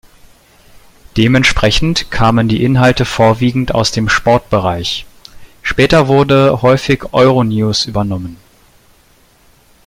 Dementsprechend kamen die Inhalte vorwiegend aus dem Sportbereich, später wurde häufig Euronews übernommen.